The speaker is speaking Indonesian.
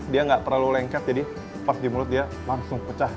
dia nggak terlalu lengket jadi pas di mulut dia langsung pecah